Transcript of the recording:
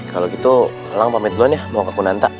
kalo gitu alang pamit duluan ya mau ke konanta